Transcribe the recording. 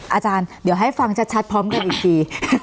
อาจารย์เดี๋ยวให้ฟังชัดพร้อมกันอีกที